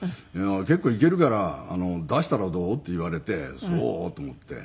「結構いけるから出したらどう？」って言われてそう？と思って。